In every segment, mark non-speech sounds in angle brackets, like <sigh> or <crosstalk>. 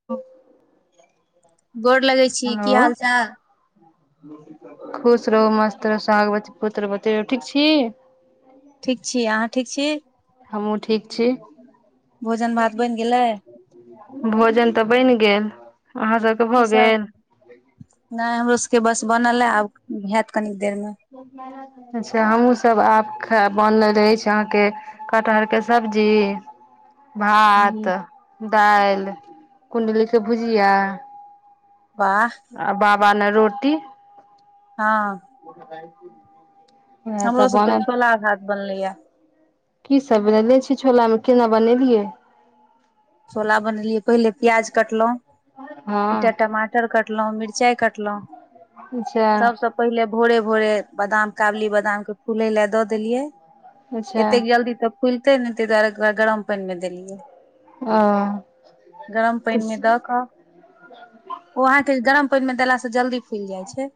क <unintelligible> गोर लगै छी, की हाल-चाल? खुश रहु, मस्त रहु, सौहागवती, पुत्रवती रहु, ठीक छी? ठीक छी, अहाँ ठीक छी? हम्हु ठीक छी। भोजन-भात बैन गेलै। भोजन तै बैन गेल अहाँ सब की सब? नै हमरो सके बस बनल ए आब हैत कनि देर में। अच्छा हमू सब आब खाएब बनल ऐछ अहाँ के कटहर के सब्जी भात, हूँ दाएल, कुण्डली के भुजिया वाह। आ बाबा लै रोटी हां। उहै हमरो सब सबके बनल छोला भात बनलैया की सब देने छियै छोला में केना बनेलियै? छोला बनेलियै पहले प्याज कटलौं हँ एकटा टमा टर कटलौ, मिर्चाय कटलौ। अच्छा। पहिले भोरे-भोरे बादाम काबुली बादाम के फूले लै दऽ देलिये। अच्छा एतेक जल्दी तऽ फुलते नै तै दुआरे ओकरा गरम पैन मे देलियै। औ। गरम पाइन मे दऽ कऽ ओ अहाँके गरम पाइन मे देला से जल्दी फुल जाइ छै।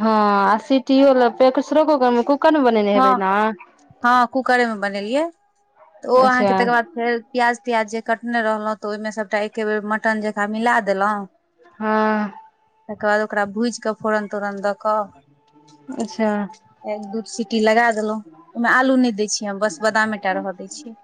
हां आ सिटियो लै प्रेकसुरो कुकर मे, कुकर मे बनेने हेबै नै? हां कूकरे मे बनेलियै तऽ ओ अच्छा अहाँके तकर बाद फेर प्याज-त्याज जे कटने रहलौ तऽ ओयमें सबटा एके बेर मटन जकाँ मिला देलौ। हां। तकर बाद ओकरा भुज कै फोरन-तोरन दऽ अच्छा। एक-दू सी टी लगा देलहुं, ओहिमे आलू नै दैऽ छियै हम बस बादमेटा रहऽ दैऽ छियै।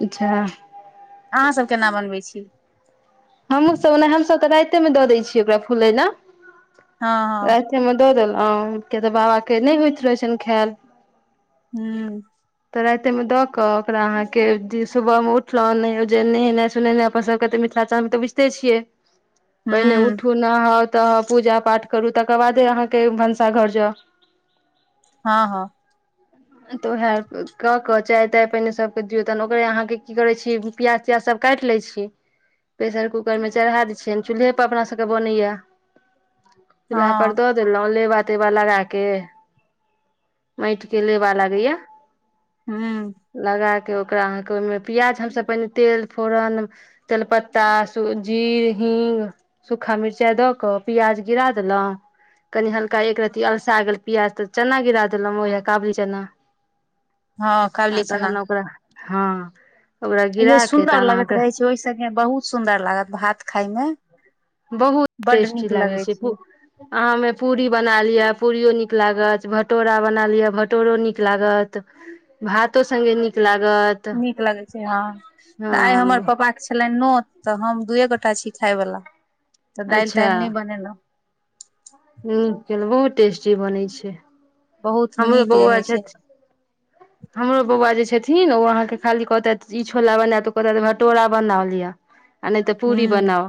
अच्छा अहाँ सब केना बनबै छी। हमहुँ सब ओना हमसब तऽ राइते मे दऽ दै छियै ओकरा फुलै लऽ। हँ हँ ओय मे दऽ देलहुँ किया तऽ बाबा के नै होइत रहै छनि खैल। हूं। तऽ राइते मे दऽ कऽ ओकरा अहाँ के सुबह मे उठलहुं जे नहेनाइ सुनेनाइ अपन सबके तऽ मिथिलाचल मे तऽ बुझिते छियै पहिने हूँ उठू नहाउ तऽ पूजा पाठ करू तकर बादे अहाँके भनसाघर जाउ। हँ- हँ। तऽ उएह कऽ कऽ चाय ताय पहिने सबके दियौ, तहन ओकरे अहाँके की करै छीयै प्यास तियाज सब काटि लै छीयै। प्रेशर -कुकर मे चढ़ा दै छियनि, चूल्हे पर अपना सबके बनैया। चूल्हा पर हँ दऽ देलहुं लेबा- तेबा लगा के माटि के ले बा लागैया। हूं। लगा कऽ ओकरा अहाँके ओहिमे प्याज हमसब पहिने तेल फोरन तेलपत्ता सु जीर हिंग सूखा मिर्चाई दऽ कऽ पियाज गिरा देलहुँ कनी हल्का एक रती अलसा गेल प्याज तऽ चना गिरा देलोंह ओहै काबली तेना हँ काबली आ चना तखन ओकरा हँ। ओकरा गिरा के तहन अहाँके ओइ संगे बहुत सुन्दर लागत भात खाय में। बहुत टेस्टी लागै छै अहाँ ओइमे पूरी बना लिअ, पूरियो नीक लागत भटोरा बना लिअ, भटोरो नीक लागत। भातो संगे नीक लागत। नीक लगै छै हँ तऽ आइ हमर हँ पप्पा छलनि नोत तऽ हम दूए गोटा छी खाय बला, तऽ दालि अच्छा तालि नहि बनेलहुं। नुन तेल बहुत टेस्टी बनै छै। बहुत हमरो नीक बौआ रहै छै। छथि हमरो बौआ जे छथिन, ओ अहाँ के खाली कहतैत ई छोला बनायब तऽ कहतैत कि भटोरा बनालिअ। आ नै तऽ पूरी हूं बनाऊ।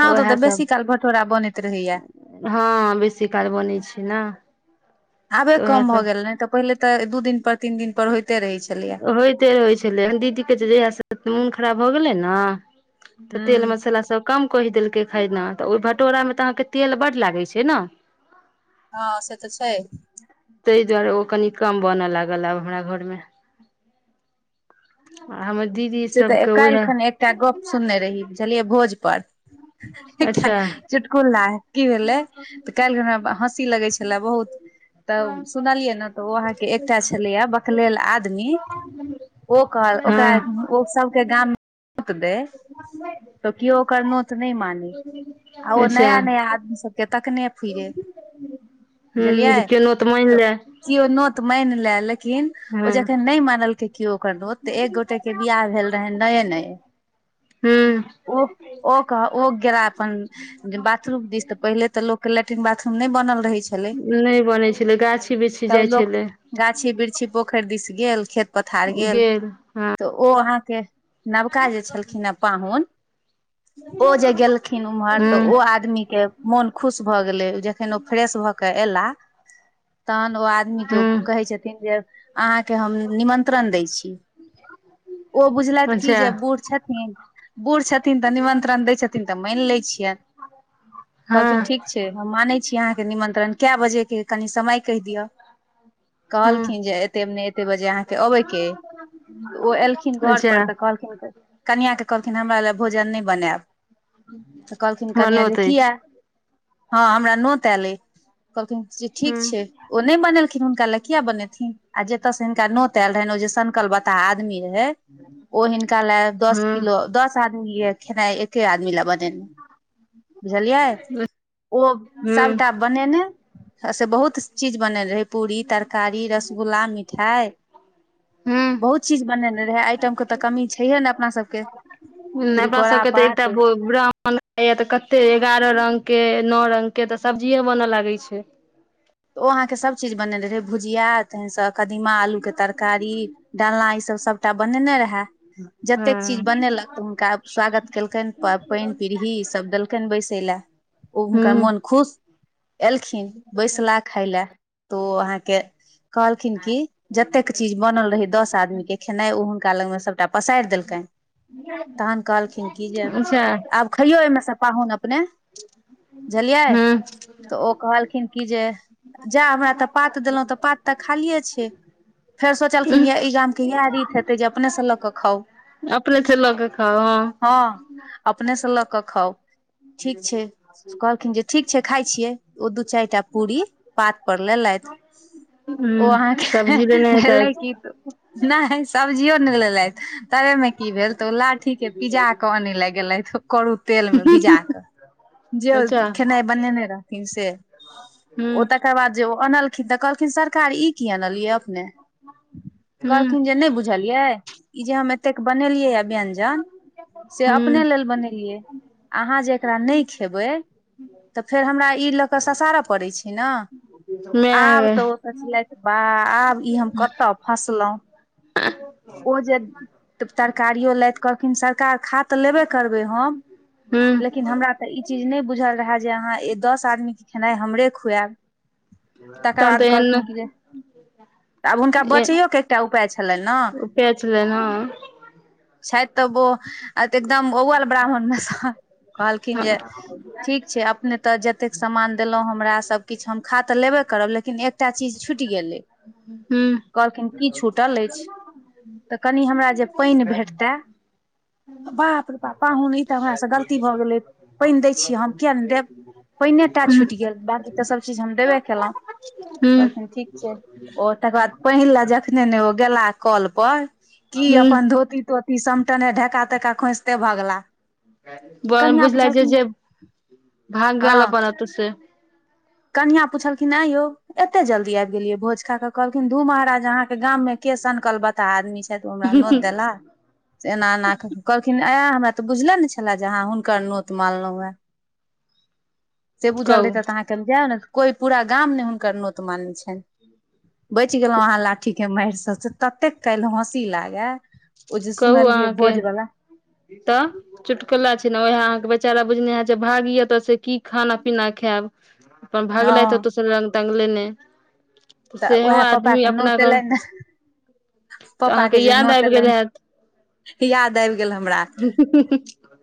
तऽ ओतऽ उएहसब बेसी काल भटोरा बनैत रहैया हँ बेसी काल बनै छै ने। आबे तऽ उएह कम भऽ गेल, नै तऽ पहिले तऽ दू दिन पर तीन दिनपर होइते रहै छलैए। सब होइते रहै छलै, दीदीे के जहिया से मोन खराब भऽ गेलै ने तऽ तेल हूं मसाला सब कम कहि देलकै खैलऽ तऽ ओहि भटोरा मे तऽ अहाँके तेल बड्ड लागै छै ने। हँ से तऽ छै। ताहि दुआरे ओ कनि कम बनऽ लागल आब हमरा घर में। आ हमर दीदी से तऽ सबके काल्हि उएह खन एकटा गप्प सुनने रही, बुझलियै भोजपर एकटा अच्छा चुटकुला कि भेलै तऽ काइल खन हमरा हँसी लगै छलए बहुत। तऽ सुनलियै ने तऽ ओ अहाँके एकटा छलैया बकलेल आदमी ओ कहल हँ ओकरा ओ सबके गांम में नोत दैऽ हम नै जेबै <inaudible> तऽ किओ ओकर नौत नै मानै, आ ओ अच्छा नया- नया आदमी सब के तकने फिरे हूँ बुझलियै जे केनो मानि तऽ ले किओ नोत मैन लै लेकिन, ओ हँ जखन नै मानलकै किओ ओकर नोत तऽ एक गोटे के बियाह भेल रहैन नए -नए हूँ ओ- ओ कह ओ गेला अपन जे बाथरूम दिस तऽ पहिले तऽ लोक के लेट्रिन बाथरूम नै बनल रहै छै नै बनैै छलै गाछी -बिरछी तब जाइ लोक छलै। गाछी- बिरछी पोखैर दिस गेल खेत पथार गेल। हँ। तऽ ओ अहाँके नवका जे छलखिन हे पाहुन ओ जे गेलखिन उमहर तऽ ओ हूँ आदमी के मोन खुश भऽ गेलै, जखन ओ फ्रेश भऽ क एला तहन ओ आदमी के ओ कहै हूं छथिन जे, अहाँके हम निमन्त्रण दै छी। ओ बुझलथि कि अच्छा जे बूढ़ छथिन बूढ़ छथिन तऽ निमन्त्रण दै छथिन तऽ माइन लै छियैन। कहलखिन हँ ठीक छै हम मानै छी अहाँके निमंत्रण केए बजे के कनि समय कैह दियअ, हूं कहलखिन जे एते नै एते बजे अहाँके अबै के अइ तऽ ओ एलखिन घर अच्छा पर तऽ कहलखिन कनियाके कहलखिन हमरा ले भोजन नै बनैब तऽ कहलखिन हमरा कनिया जे नोत किया? अछि हँ हमरा नोत आइल ऐ,, कहलखिन जे ठीक हूं छै। ओ नै बनेलखिन हुनका लेए किया बनेथिन, आ जतऽ से हिनका नोत एल रहनि ओ जे सनकल बता ह आदमी रहै। ओ हिनका ले दस हूं किलो दस आदमी खेनाइ एके आदमी लै बनेने रहै बुझलियै ओ हूं सबटा बनेने, से बहुत चीज बनेल रहै पूरी, तरकारी, रसगुल्ला, मिठाई हूं बहुत चीज बनेने रेहऽ आइटम के तऽ कमी छैहे नै अपना सबके नै अपना तिलकोरा सबके तऽ एकटा पात भो ब्राह्मण खाइया तऽ कते एगारअ रंग के नौ रंग के तऽ सब्जीेए बनऽ लागे छै। तऽ ओ अहाँके सब चीज बने रहै, भुजिया तहन स कदीमा आलूके तरकारी, डालना इसब सभटा बनेने रेहा। जतेक चीज हँ बनेलक तऽ हुनका स्वागत केलकैन प- पाइन पिड़हि, इसब देलकैन बैसे लए ओ हुनकर हूं मोन खुश। एलखिन बैसलाह खाइ लए, तो ओ अहाँके कहलखिन कि जतेक चीज बनल रहै दस आदमी के खेनाइ, ओ हुनका लग मे सभटा पसाइर देलकनि तहन कहलखिन कि जे अच्छा आब खइयो अइमें से पाहुन अपने बुझलियै हूं तऽ ओ कहलखिन कि जे जा हमरा तऽ पात देलहुँ तऽ पात तऽ खालिए छै। फेर सोचलखिन या इ गांम के इहा रीत हेतै जे, अपने से लऽ क खाउ। अपने से लकऽ खाउ हाँ। हाँ अपने से लऽ कऽ खाउ ठीक छै। कहलखिन जे ठीक छै, खाइ छियै ओ दू चारिटा पूरी पात पर लेलैथ ओ हूं अहाँके सब्जी लेने भेलै हेतैथ की नै सब्जियो नै लेलैथ तावेमें कि भेल, तऽ ओ लाठी के पिजा कऽ आनै लए गेलैथ करू तेल मे भिजा कऽ, जे ओ खेनाइ बनेने रहथिन से। हूँ। ओ तकर बाद जे ओ अनलखिन तऽ कहलखिन सरकार ई की अनलियै अपने। हूं कहलखिन जे नहि बुझलियै ई जे हम एतेक बनेलियै य व्यंजन। से हूं अपने लेल बनेलियै। अहाँ जे एकरा नहि खेबै तऽ फेर हमरा ई लऽ कऽ ससार पड़ै छै नऽ। माय आब गै तऽ ओ सोचलथि बाह आब ई हम कतऽ फसलहुँ। ओ जे तरकारियो लैत कहलखिन सरकार खा तऽ लेबे करबै हम। हूं लेकिन हमरा तऽ ई चीज नहि बुझल रहै जे अहाँ ए दस आदमीके खेनाइ हमरे खुऐब। तकर तहन तऽ बाद एहन कहलखिन कि जे। आब हुनका बचैओ के एकटा उपै छलनि न। पेचले न। छैथ तबो। आ तऽ एकदम अव्वल ब्राह्मण मे सऽ कहलखिन जे हूँ ठीक छै अपने तऽ ज तेक समान देलौ हमरा सब किछ हम खा तऽ लेबे करब लेकिन एक। टा चीज छुटि गेलै कहलखिन की छूटल अइछ। कनि हमरा जे पइन भेटतै। बाप रै बाप पाहुन ई तऽ हमरा सऽ गलती भऽ गेलै पइन दैए छी हम कियाक नहि देब। पइने टा छुटि हूँ गेल बाँकी तऽ सबचीज हम देबे केलहुँ। <unintelligible> कहलखिन ठीक छै ओ तकर बाद पहिला ज। जखने ने ओ गेला कोल पर की ई हूँ अपन धोती-तोती। त समटने ढेका-तेका खोसते भगला। कनिया पुछलखिन। हँ भागल अपन ओतै से। कनिया पुछलखिन ऐ यौ। एते जल्दी आबि गेलियै भोज खा कऽ कहलखिन धू महाराज अहाँके गाममे के सनकल बता ता आदमी छैथ ओ हमरा कहू नोत देला। से एना एना कहलखिन ऐ हमरा तऽ बुझले ने छले जे अहाँ हुनकर नोत मानलो है। से बुझल रहितै तऽ अहाँके हम जैयो नै कोई पूरा गाम नै हुनकर नोत मानै छनि। बचि गेलहुँ अहाँ लाठीके मारि सऽ से ततेक काल्हि हँसी लागे। ओ जे कहू सुनलियै अहाँके भोज बला। तऽ। चुटकुला छै ने उहै अहाँके बेचारा बुझने हैत जे भागी एतऽ से की खाना-पीना खैब। अपन भगलैथ ओ हँ तऽ स रंग-तंग लैने। तऽ उहै पप्पा के नोते एलेन ने। पप्पा अहाँके के जे याद नोते आबि गेल एलेन। हैत याद आबि गेल हमरा।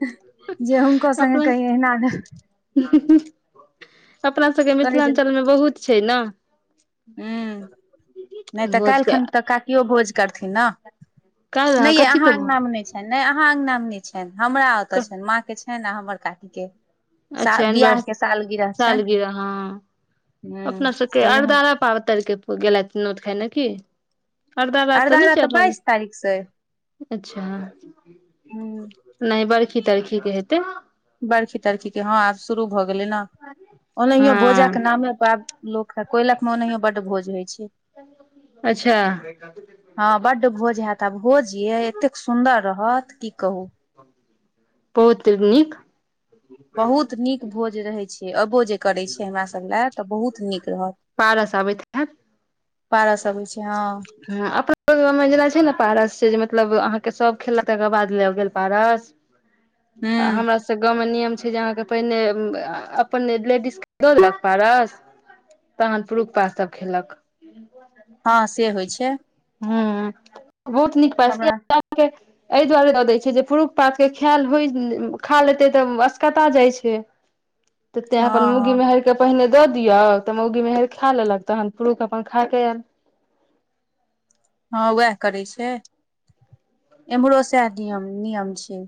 जे हुनको संगे कहि अहिना ने। हुहुहु अपना सबके कहै मिथिलांचल में बहुत छै न। हू नहि तऽ काइल के खन तऽ काकियो भोज। करथिन नऽ काल्हि नैयै कथी अहाँ के भ अंगना मे नै छैन नै अहाँ अंगना मे नै। छनि हमरा ओतऽ छनि माँ के छनि आ हमर काकी के। सा अच्छा एनवर वियाहके सालगिरह छनि। सालगिरह हँ हूँ अपना सबके तऽ अरदारा पावतर के गेलथि नोत खैले की। अरदरा तऽ नैय अरदारा चढ़लन। बाइस तारीख से अच्छा हूँ नहि बर्खी-तरखी के हेतै। बर्खी-तरखी के हँ आब शुरू भऽ गेलै न। ओनाहियो भोजक हँ के नामे पर लोक कोयलख मे ओनहियो बड भोज होइ छैय। अच्छा। हँ बड्ड भोज होयत आ भोज ये एतेक सुन्दर रहत की कहू। बहुत नीक। बहुत नीक भोज रहै छैय। जे अबो जे करै छैय हमरा सभ लए तऽ बहुत नीक रहत। पारस आबैत हैत पारा सब होइ छैय हँ। ह अपना गंव मे जेना छैय ने पारस छैय जे मतलब अहाँके सब खेलऽ तकर बाद लऽ गेल पारस। आ हूँ हमरा से गाँव मे नियम छैय जे अहाँके पहिने अपन लेडीज के दऽ देलक पारस तहन पुरुकपा सभ खेलक। हँ से होइ छैय। ह बहुत नीक पह हमरा एहि दुआरे दऽ दै छैैय जे पुरुष पात के खायल हो खा लेते तऽ असकता जाइ छैय। तऽ तें अपन हँ मौगी हँ मेहरके पहिने दऽ दियौ तऽ मौगी मेहर खा लेलक तहन पुरुख अ पन खाय के हँ वएह करै छैय इम्हरो सएह नियम नियम छैय।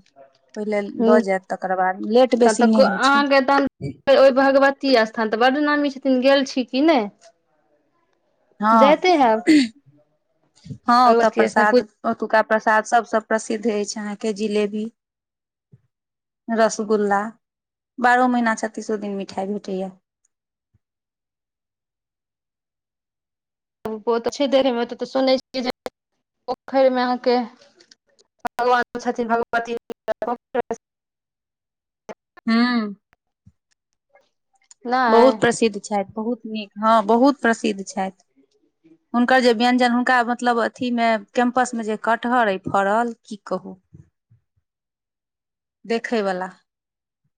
ओहिल ह दऽ जायत तकर बाद लेट तब बेसी तऽ नहि होइ अहाँके तहन छैय। ओहि भगवत ती स्थान तऽ बड्ड नामी छथिन गेल छी की नहि? हँ जाइते हैब हँ ओतऽ भगवती स्थान प्रसाद ओतुका प्रसाद सबसँ प्रसिद्ध अछि अहाँके जिलेबी रसगुल्ला बारहो महिना छत्तीसो दिन मिठाई भेटैया। बो तऽ छैय देरेमे ओत तऽ सुनै छियै पोखरि मे अहाँके भगवानो छथिन भगवती <unintelligible> हूँ। नहि बहुत प्रसिद्ध छथि बहुत नीक हँ बहुत प्रसिद्ध छथि। हुनकर जे व्यंजन हुनका मतलब अथी मे कैंपस मे जे कट कटहरइ फड़ल की कहू। देखैवला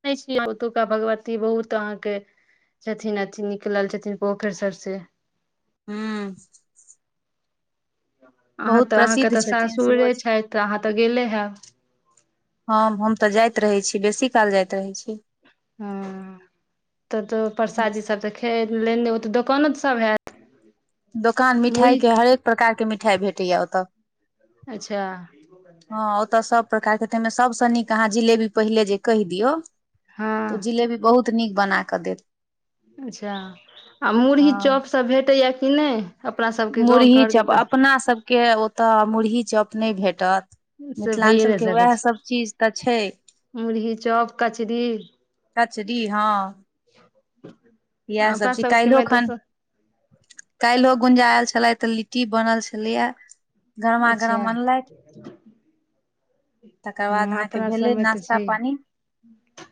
दै छी अहाँके ओतुका भगवती बहुत अहाँके। छथिन अथि निकलल छथिन पोखरि सब से। हूँ। अहाँ बहुत तऽ अहाँके प्रसिद्ध तऽ छथिन सासुरे सेहो छथि तऽ अहाँ तऽ गेले हैब। हँ हम तऽ जाइत रहै छी बेसी काल जाइत रहै छी। हूं तब तऽ बेस परसादी सब तऽ खे लेने दोकानो सब हैत। दोकान मुरही मिठाइके हरेक प्रकारके मिठाइ भेटैया ओतऽ। अच्छा। हँ ओतऽ सब प्रकारके ताहि मे सबसँ नीक अहाँ जिलेबी पहिले जे कहि दियौ। हँ तऽ जिलेबी बहुत नीक बना कऽ देत। अच्छा आ मुरही हँ चॉपसभ भेटैए कि नहि। मुरही चप अपनासभके ओतय मुरही चप नहि भेटत। तऽ से भइए नै मिथिलाञ्चलके सकै छै उएहसभ चीज तऽ छैय। मुरही चॉप कचरी कचरी हँ। अपना सबके में त स काएल्हो गुंजा ऐल छलै तऽ लिट्टी बनल छलै यै। अच्छा गरमा-गरम बनलै। हां अहाँके अपना भेलै सबमें तै नाश्ता पानी छहिए।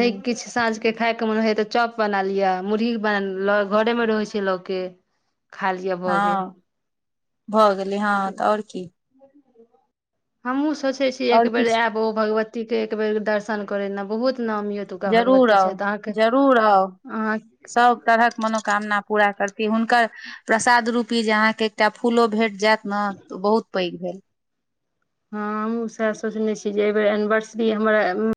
नै किछ सांझ के खाय के मोन होइया तऽ चॉप बना लिया, मुरही बन ल घरे मे रहे छै लोक के। खालिया भऽ गेल। हँ भऽ गेलै हां तऽ और की हम्हुं सोचै छीयै आओर एक बेर किछु ऐब ओ भगवती के एक बेर दर्शन करे ने बहुत नाम यै। जरूर आउ, जरूर आउ। अहाँ सब तरहक मनोकामना पूरा करती हुनकर प्रसाद रूपी जे अहाँके एकटा फूलो भेट जाएत नै तऽ बहुत पैघ भेल हां हम्हूँ सैह सोचने छीयै जे ए बेेर एनिवर्सरी हमरा उम्म